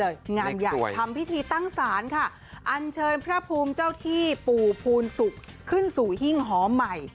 จัดตั้งสารค่ะอันเชิญพระภูมิเจ้าที่ปู่ภูนศุกร์ขึ้นสู่หิ่งฮอมใหม่